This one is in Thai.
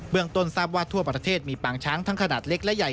ต้นทราบว่าทั่วประเทศมีปางช้างทั้งขนาดเล็กและใหญ่